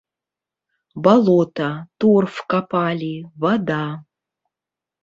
Балота, торф капалі, вада.